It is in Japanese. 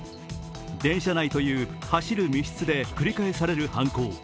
電車内という走る密室で繰り返される犯行。